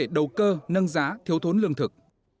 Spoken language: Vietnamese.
đầu cơ nâng giá thiếu thốn lương thực